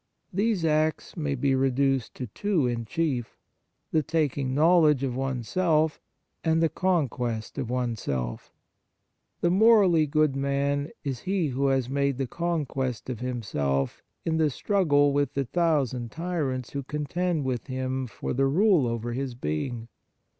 These acts may be reduced to two in chief: the taking knowledge of oneself and the conquest of one self. The morally good man is he who has made the conquest of himself in the struggle with the thousand tyrants who contend with him for the rule over his being.